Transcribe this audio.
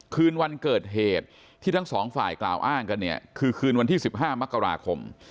คืนวันเกิดเหตุที่ทั้งสองฝ่ายกล่าวอ้างกันเนี่ยคือคืนวันที่๑๕มกราคม